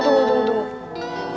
tunggu tunggu tunggu